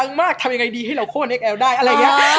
มากทำยังไงดีให้เราโค้นเอ็กแอลได้อะไรอย่างนี้